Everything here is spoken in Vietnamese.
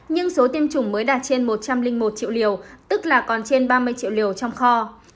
nhưng số tiêm chủng mới đạt trên một trăm linh một triệu liều tức là còn trên ba mươi triệu liều trong kho